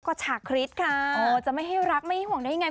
ก็ฉากฤทธิ์ค่ะโอ้จะไม่ให้รักไม่ได้ห่วงไง